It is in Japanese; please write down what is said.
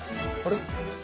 あれ？